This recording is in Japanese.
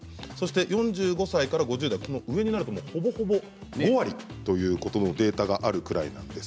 ４５歳から５０代この上になるとほぼほぼ、およそ５割というデータがあるくらいです。